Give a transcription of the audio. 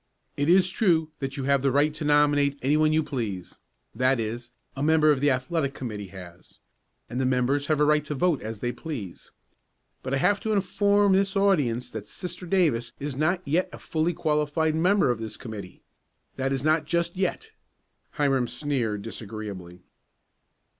"It is true that you have the right to nominate any one you please that is, a member of the athletic committee has, and members have the right to vote as they please. But I have to inform this audience that Sister Davis is not yet a fully qualified member of this committee. That is not just yet." Hiram sneered disagreeably.